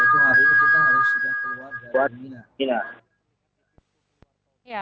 yaitu hari ini kita harus sudah keluar dari mina